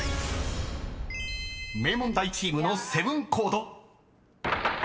［名門大チームのセブンコード］